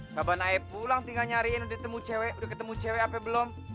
sahabat naik pulang tinggal nyariin udah ketemu cewek apa belum